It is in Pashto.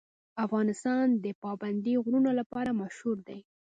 افغانستان د پابندی غرونه لپاره مشهور دی.